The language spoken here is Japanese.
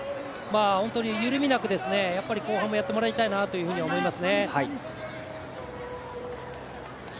本当に、緩みなく後半もやってもらいたいなと思いますね。